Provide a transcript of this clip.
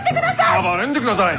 暴れんでください！